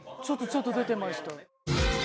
ちょっとちょっと出てました。